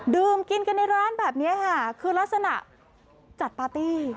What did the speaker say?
ดื่มกินกันในร้านแบบนี้ค่ะคือลักษณะจัดปาร์ตี้